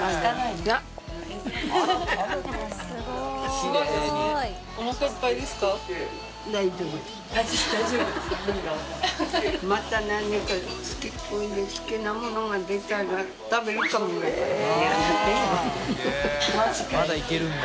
垢欧Аまだいけるんだ。